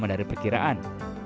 lebih lama dari perkiraan